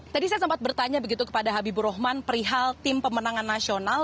tadi saya sempat bertanya begitu kepada habibur rahman perihal tim pemenangan nasional